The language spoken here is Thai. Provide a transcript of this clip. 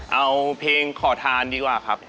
เอาเพลงขอทานดีกว่าครับ